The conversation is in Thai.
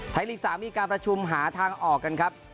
ไทยลีก๓มีการประชุมหาทางออกกันครับ